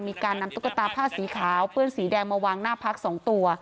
มีการนำตุ๊กตาผ้าสีขาวเปื้อนสีแดงมาวางหน้าพัก๒ตัว